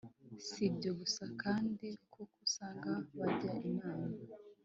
si ibyo gusa kandi kuko usanga bajya inama